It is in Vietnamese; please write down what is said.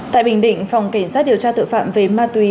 tại bình định phòng cảnh sát điều tra tội phạm về ma túy